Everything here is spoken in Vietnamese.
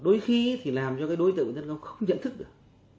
đôi khi thì làm cho cái đối tượng người dân công không nhận thức được